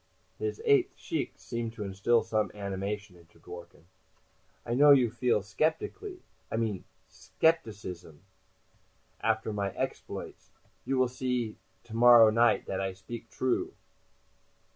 His eighth shchikh seemed to instill some animation into Dworken. "I know you feel skepticality I mean skepticism after my exploits. You will see tomorrow night dat I speak true."